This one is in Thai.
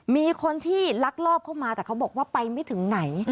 มีคนที่ลักลอบเข้ามาแต่เขาบอกว่าไปไม่ถึงไหน